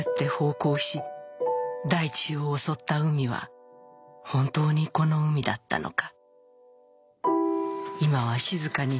こうし大地をおそった海は本当にこの海だったのか」